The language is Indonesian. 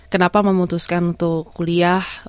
kenapa memutuskan untuk kuliah